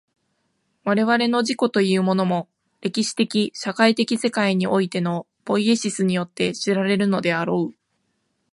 我々の自己というものも、歴史的社会的世界においてのポイエシスによって知られるのであろう。